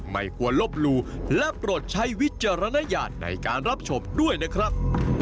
ไม่ควรลบหลู่และโปรดใช้วิจารณญาณในการรับชมด้วยนะครับ